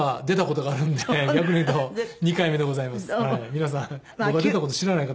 皆さん僕が出た事知らない方。